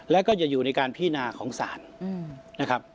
แล้วก็อย่าอยู่ในการพินาของศาลนะครับ